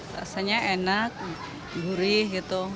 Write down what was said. rasanya enak gurih gitu